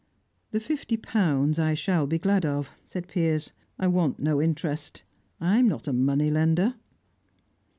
"The fifty pounds I shall be glad of," said Piers. "I want no interest. I'm not a money lender."